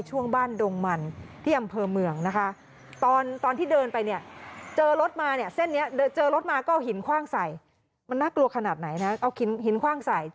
ช่วงบ้านดงมันที่อำเภอเมืองนะคะ